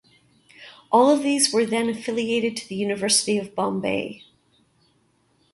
All of these were then affiliated to the University of Bombay.